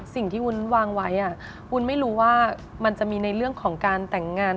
วุ้นวางไว้วุ้นไม่รู้ว่ามันจะมีในเรื่องของการแต่งงาน